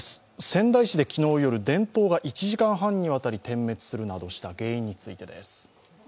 仙台市で昨日夜電灯が１時間半にわたり点滅するなどした原因についてです。